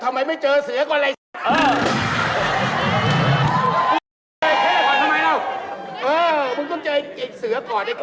เออมึงต้องเจอไอ้เสือก่อนไอ้เข้